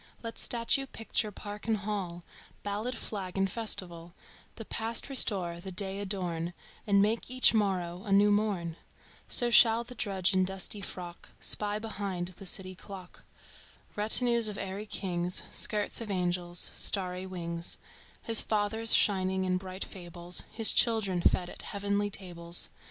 Let statue, picture, park and hall, Ballad, flag and festival, The past restore, the day adorn And make each morrow a new morn So shall the drudge in dusty frock Spy behind the city clock Retinues of airy kings, Skirts of angels, starry wings, His fathers shining in bright fables, His children fed at heavenly tables.